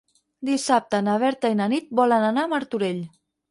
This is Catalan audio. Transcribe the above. Dissabte na Berta i na Nit volen anar a Martorell.